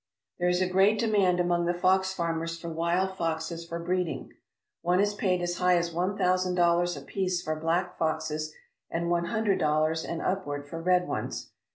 There is a great demand among the fox farmers for wild foxes for breeding. One has paid as high as one thousand dollars apie.ce for black foxes and one hundred dollars and upward for red ones.